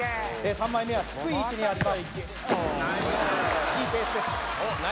３枚目は低い位置にありますいいペースです